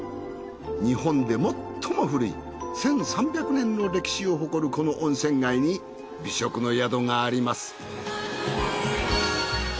日本で最も古い１，３００年の歴史を誇るこの温泉街に美食の宿があります。